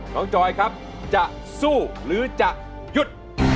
จอยครับจะสู้หรือจะหยุด